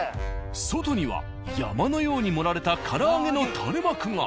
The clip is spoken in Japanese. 外には山のように盛られた唐揚の垂れ幕が。